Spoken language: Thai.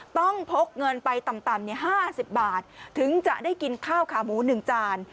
พกเงินไปต่ำ๕๐บาทถึงจะได้กินข้าวขาหมู๑จาน